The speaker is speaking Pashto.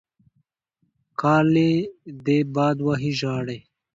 کالې دې باد وهي ژړې.